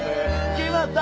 決まった！